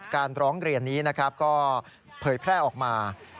การร้องเรียนนี้นะครับก็เผยแพร่ออกมา